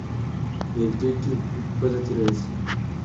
এর দুইটি উপপ্রজাতি রয়েছে।